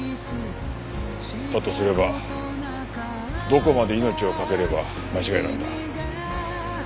だとすればどこまで命を懸ければ間違いなんだ？